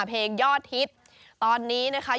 ยอดฮิตตอนนี้นะคะ